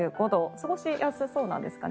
過ごしやすそうなんですかね。